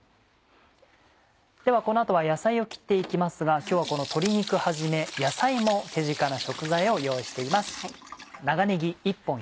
ではこの後は野菜を切って行きますが今日はこの鶏肉はじめ野菜も手近な食材を用意しています。